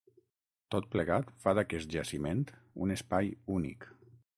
Tot plegat fa d’aquest jaciment un espai únic.